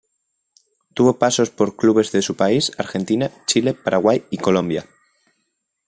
Tuvo pasos por clubes de su país Argentina, Chile, Paraguay y Colombia.